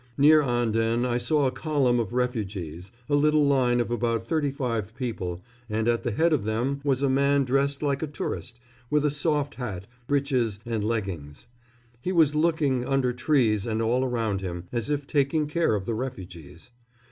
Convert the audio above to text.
Near Anden I saw a column of refugees, a little line of about thirty five people, and at the head of them was a man dressed like a tourist, with a soft hat, breeches and leggings. He was looking under trees and all around him, as if taking care of the refugees.